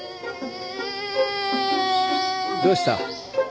どうした？